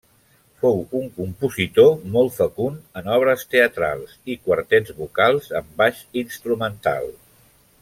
Fou un compositor molt fecund en obres teatrals i quartets vocals amb baix instrumental.